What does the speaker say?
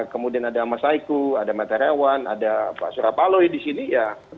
kemudian ada mas saiku ada matarawan ada pak surapaloi di sini ya